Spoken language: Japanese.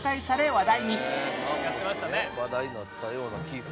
話題になったような気するわ。